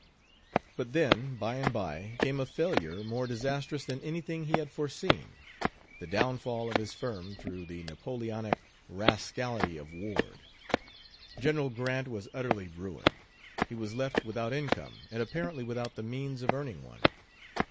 But then, by and by, came a failure more disastrous than anything he had foreseen the downfall of his firm through the Napoleonic rascality of Ward. General Grant was utterly ruined; he was left without income and apparently without the means of earning one.